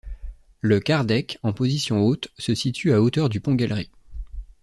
Le car-deck, en position haute, se situe à hauteur du pont galerie.